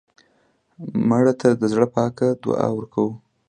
مړه ته د زړه پاکه دعا ورکوو